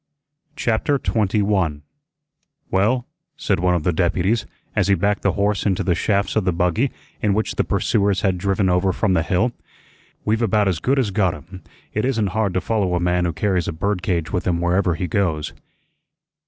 CHAPTER 21 "Well," said one of the deputies, as he backed the horse into the shafts of the buggy in which the pursuers had driven over from the Hill, "we've about as good as got him. It isn't hard to follow a man who carries a bird cage with him wherever he goes."